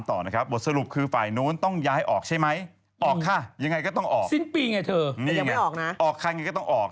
ออกค่ายังไงก็ต้องออก